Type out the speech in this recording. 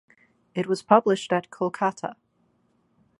It was published at Kolkata.